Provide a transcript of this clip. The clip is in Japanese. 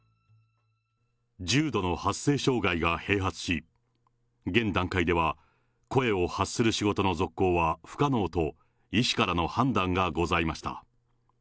重度の発声障害が併発し、現段階では声を発する仕事の続行は不可能と医師からの判断がございました。